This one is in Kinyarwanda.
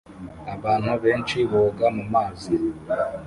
Abantu benshi boga mumazi